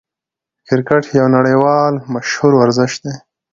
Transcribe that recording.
کرکټ یو نړۍوال مشهور ورزش دئ.